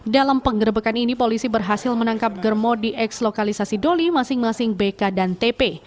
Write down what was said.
dalam penggerbekan ini polisi berhasil menangkap germo di eks lokalisasi doli masing masing bk dan tp